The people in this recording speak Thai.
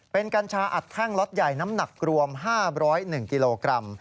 เป็นกัญชาอัดแท่งล็อตใหญ่น้ำหนักรวม๕๐๑กิโลกรัม